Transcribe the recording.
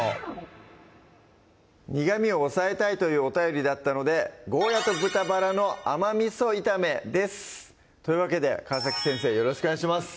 苦みを抑えたいというお便りだったので「ゴーヤと豚バラの甘味炒め」ですというわけで川先生よろしくお願いします